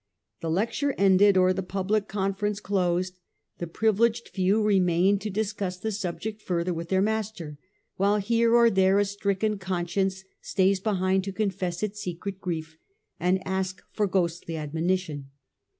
The lecture ended, or the public conference closed, the privi leged few remain to discuss the subject further with their master, while here or there a stricken conscience stays behind to confess its secret grief and ask for ghostly admonition.